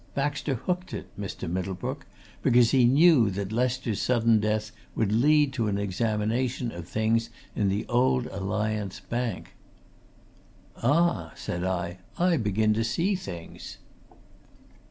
Baxter hooked it, Mr. Middlebrook, because he knew that Lester's sudden death would lead to an examination of things at the Old Alliance Bank!" "Ah!" said I. "I begin to see things!"